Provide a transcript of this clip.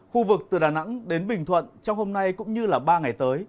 khu vực từ đà nẵng đến bình thuận trong hôm nay cũng như ba ngày tới